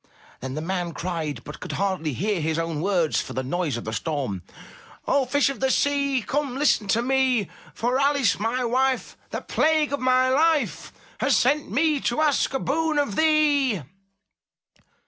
Then the man cried, but could hardly hear his own words for the noise of the storm: 0h Fish of the Sea, come, listen to me. For Alice, my wife, the plague of my life. Has sent me to ask a boon of thee."